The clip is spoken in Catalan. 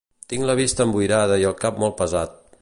Tinc la vista emboirada i el cap molt pesat.